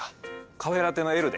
カフェラテのＬで。